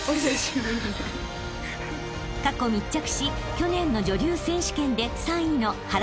［過去密着し去年の女流選手権で３位の］